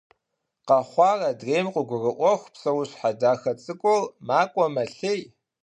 Къэхъуар адрейм къыгурыIуэху, псэущхьэ дахэ цIыкIур макIуэ-мэлъей.